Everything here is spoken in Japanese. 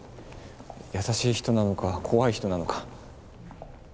優しい人なのか怖い人なのか。